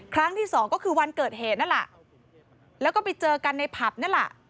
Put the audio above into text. ครั้งที่สองก็คือวันเกิดเหตุนั่นแหละแล้วก็ไปเจอกันในผับนั่นแหละ